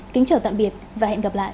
kính chào tạm biệt và hẹn gặp lại